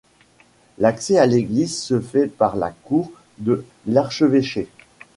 L'accès à l'église se fait par la cour de l'archevêché.